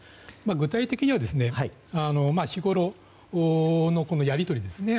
具体的には、日ごろのやり取りですね。